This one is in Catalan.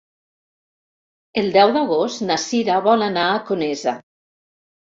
El deu d'agost na Cira vol anar a Conesa.